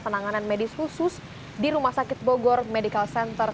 penanganan medis khusus di rumah sakit bogor medical center